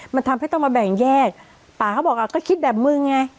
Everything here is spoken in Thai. มันทำให้ต้องมาแบ่งแยกป่าเขาบอกอ่ะก็คิดแบบมึงไง